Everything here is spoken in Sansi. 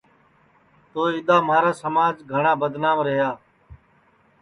تو اِدؔا مہارا سماج گھٹؔا بدنام رہیا